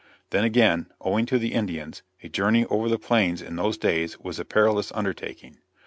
Then again, owing to the Indians, a journey over the plains in those days was a perilous undertaking.